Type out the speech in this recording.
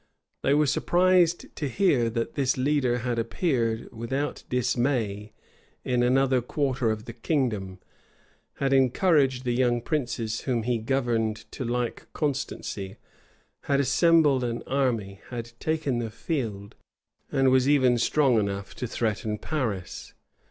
They were surprised to hear, that this leader had appeared, without dismay, in another quarter of the kingdom; had encouraged the young princes, whom he governed to like constancy; had assembled an army; had taken the field; and was even strong enough to threaten Paris.